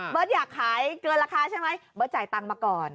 เบิร์ตอยากขายเกินราคาใช่ไหม